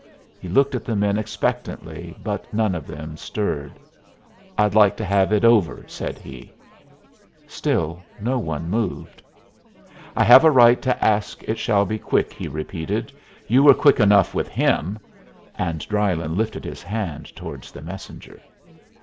He looked at the men expectantly, but none of them stirred. "I'd like to have it over," said he. Still no one moved. "I have a right to ask it shall be quick," he repeated. "You were quick enough with him." And Drylyn lifted his hand towards the messenger.